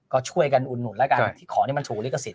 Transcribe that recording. ก็ช่วยกันอุ่นหนุนแล้วกันขอให้มันถูกลิขสิทธิ์